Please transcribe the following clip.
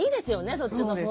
そっちのほうが。